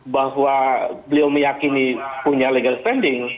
bahwa beliau meyakini punya legal standing